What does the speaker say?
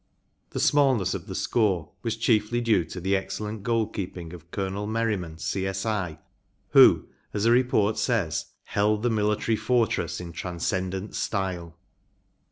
The smallness of the score was chiefly due to the excellent goal keeping of Colonel Merriman, C.S.I., who, as a report says, “held the military fortress in transcendent, style.